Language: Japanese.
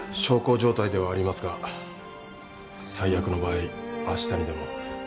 小康状態ではありますが最悪の場合明日にでも。